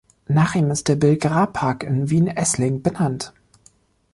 Nach ihm ist der "Bill-Grah-Park" in Wien-Essling benannt.